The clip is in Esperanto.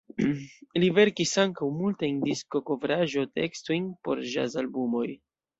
Li verkis ankaŭ multajn diskokovraĵo-tekstojn por ĵaz-albumoj.